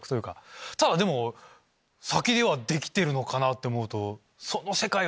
ただでも先ではできてるのかなと思うと。